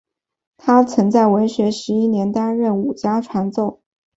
他曾在天文十一年担任武家传奏。